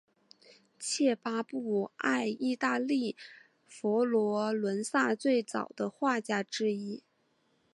契马布埃意大利佛罗伦萨最早的画家之一。